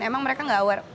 emang mereka tidak aware